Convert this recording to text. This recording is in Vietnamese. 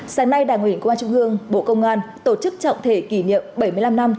sáng nay đảng ủy công an trung ương bộ công an tổ chức trọng thể kỷ niệm bảy mươi năm năm